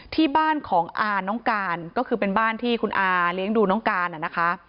ที่บ้านของอาน้องการก็คือเป็นบ้านที่คุณอาเลี้ยงดูน้องการนะคะ